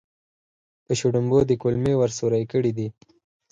په شړومبو دې کولمې ور سورۍ کړې دي.